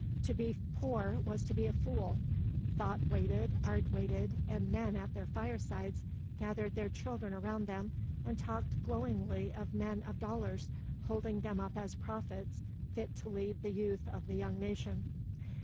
To be poor was to be a fool; thought waited, art waited; and men at their firesides gathered their children around them and talked glowingly of men of dollars, holding them up as prophets fit to lead the youth of the young nation.